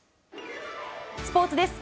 スポーツです。